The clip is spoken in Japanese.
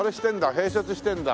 併設してるんだ。